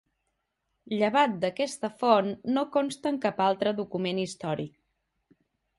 Llevat d'aquesta font, no consta en cap altra document històric.